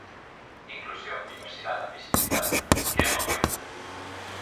Inclusión, diversidade, visibilidade, que emoción!